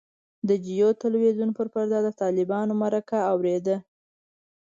د جیو تلویزیون پر پرده د طالبانو مرکه اورېده.